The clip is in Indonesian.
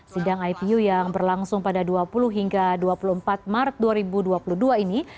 sidang ipu yang berlangsung pada dua puluh hingga dua puluh empat maret dua ribu dua puluh dua ini